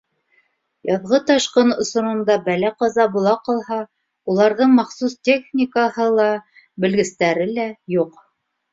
Яҙғы ташҡын осоронда бәлә-ҡаза була ҡалһа, уларҙың махсус техникаһы ла, белгестәре лә юҡ.